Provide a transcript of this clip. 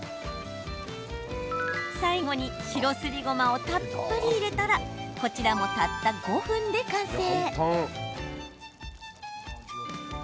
最後に白すりごまをたっぷり入れたらこちらもたった５分で完成。